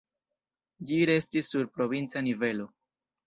Ĝi restis sur provinca nivelo.